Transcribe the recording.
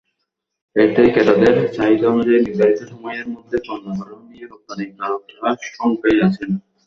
এতে ক্রেতাদের চাহিদানুযায়ী নির্ধারিত সময়ের মধ্যে পণ্য পাঠানো নিয়ে রপ্তানিকারকেরা শঙ্কায় আছেন।